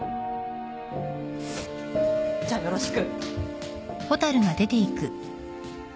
じゃあよろしく。